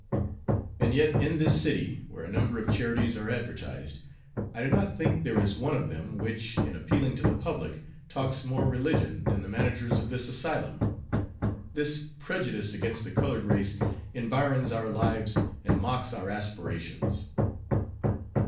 And yet in this city where a number of charities are advertised, I do not think there is one of them which, in appealing to the public, talks more religion than the managers of this asylum. This prejudice against the colored race environs our lives and mocks our aspirations."